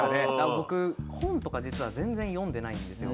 僕本とか実は全然読んでないんですよ。